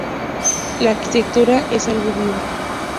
La arquitectura es algo vivo.